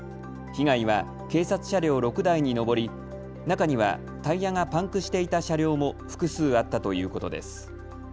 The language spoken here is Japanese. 被害は警察車両６台に上り、中にはタイヤがパンクしていた車両も複数あったということです。